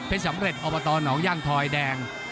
สำเร็จอบตหนองย่างทอยแดง